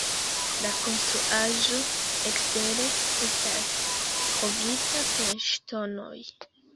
La konstruaĵo ekstere estas kovrita per ŝtonoj.